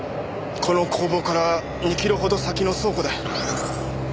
この工房から２キロほど先の倉庫で。